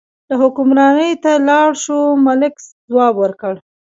که حکمرانۍ ته لاړ شو، ملک ځواب ورکړ.